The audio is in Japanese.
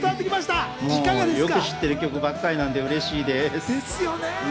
よく知っている曲ばかりで嬉しいです。